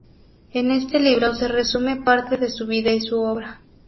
En este libro se resume parte de su vida y su obra.